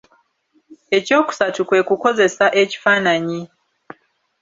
Ekyokusatu kwe kukozesa ekifaananyi.